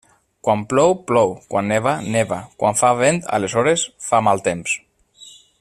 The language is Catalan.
Quan plou, plou; quan neva, neva; quan fa vent, aleshores fa mal temps.